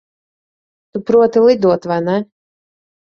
Tu proti lidot, vai ne?